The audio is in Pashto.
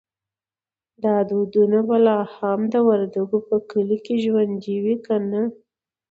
دا دودونه به لا هم د وردګو په کلیو کې ژوندی وي که نه؟